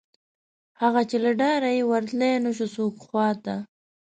هغه، چې له ډاره یې ورتلی نشو څوک خواته